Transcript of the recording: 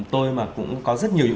tôi mà cũng có rất nhiều